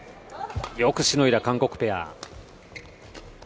よくしのいだ、韓国ペア。